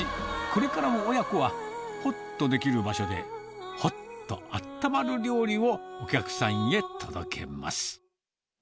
これからも親子は、ほっとできる場所で、ほっとあったまる料理をお客さんへ届けます。